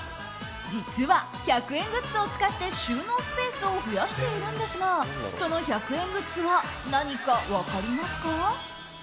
実は、１００円グッズを使って収納スペースを増やしているんですがその１００円グッズは何か分かりますか？